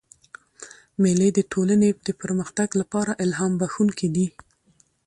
مېلې د ټولني د پرمختګ له پاره الهام بخښونکي دي.